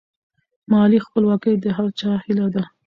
مالي خپلواکي د هر چا هیله ده.